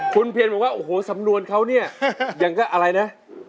คุณเพียรบอกว่าโอ้โหสำนวนเขาเนี่ยอย่างก็อะไรนะ